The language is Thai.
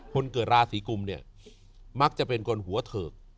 คนเกิดราศีกุมเนี่ยมักจะเป็นคนหัวเถิก